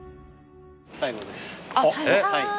最後です。